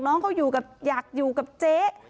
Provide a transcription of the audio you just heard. น้องเขาอยากอยู่กับเจ๊